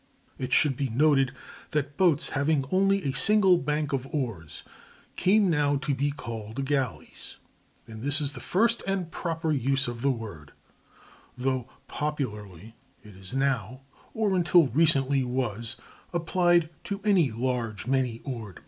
It should be noted that boats having only a single bank of oars came now to be called galleys; and this is the first and proper use of the word, though popularly it is now (or until recently was) applied to any large many oared boat.